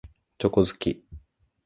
チョコ好き。